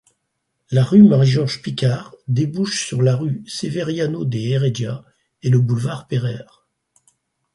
La rue Marie-Georges-Piquart débouche sur la rue Severiano-de-Heredia et le boulevard Pereire.